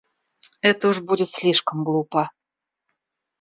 Это уж будет слишком глупо.